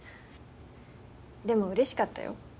でも嬉しかったよ。